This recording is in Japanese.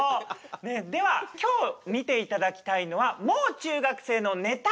では今日見ていただきたいのはもう中学生のネタビュッフェ！